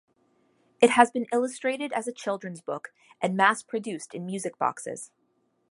It has been illustrated as a children's book and mass-produced in music boxes.